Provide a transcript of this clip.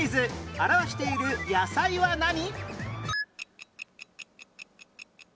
表している野菜は何？